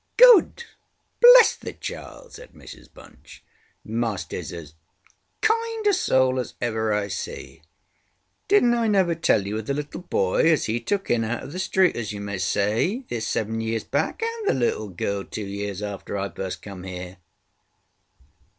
ŌĆ£Good? ŌĆöbless the child! ŌĆØ said Mrs Bunch. ŌĆ£MasterŌĆÖs as kind a soul as ever I see! DidnŌĆÖt I never tell you of the little boy as he took in out of the street, as you may say, this seven years back? and the little girl, two years after I first come here?